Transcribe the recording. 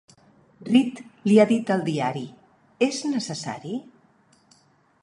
Reed li ha dit al diari, és necessari?